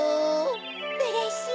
うれしい！